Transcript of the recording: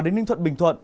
đến ninh thuận bình thuận